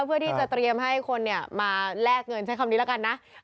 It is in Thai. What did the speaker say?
เพื่อที่จะเตรียมให้คนมาแลกเงินใช้หัวไม่แต่งนี้แบบนี้ละกันนะ